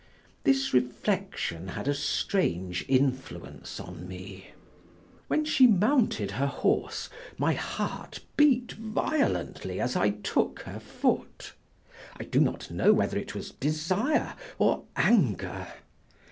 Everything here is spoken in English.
This reflection had a strange influence on me. When she mounted her horse my heart beat violently as I took her foot; I do not know whether it was desire or anger.